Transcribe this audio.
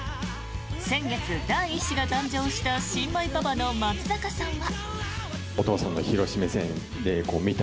先月、第１子が誕生した新米パパの松坂さんは。